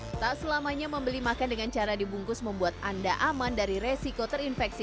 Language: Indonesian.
hai tak selamanya membeli makan dengan cara dibungkus membuat anda aman dari resiko terinfeksi